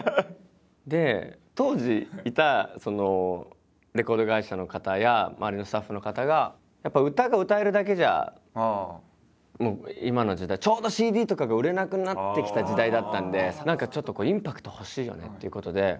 で当時いたそのレコード会社の方や周りのスタッフの方がやっぱ歌が歌えるだけじゃもう今の時代ちょうどＣＤとかが売れなくなってきた時代だったんで何かちょっとこうインパクト欲しいよねっていうことで。